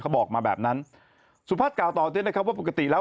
เขาบอกมาแบบนั้นสุภัทรกล่าวตอนนี้นะครับว่าปกติแล้ว